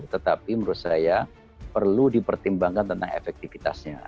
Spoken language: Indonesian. tetapi menurut saya perlu dipertimbangkan tentang efektivitasnya